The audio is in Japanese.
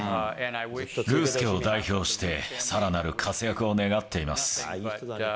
ルース家を代表して、さらなる活躍を願っています。